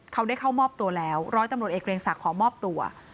เขาได้เข้ามอบตัวแล้วร้อยตำรวจเอกเกรียงศักดิ์ขอมอบตัว